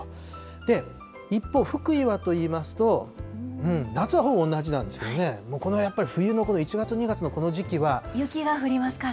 で、一方、福井はといいますと、夏はほぼ同じなんですけどね、冬のやっぱり１月、２月のこの時期雪が降りますから。